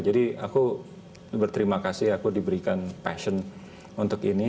jadi aku berterima kasih aku diberikan passion untuk ini